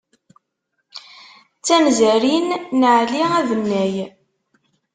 D tanzarin n aɛli abennay.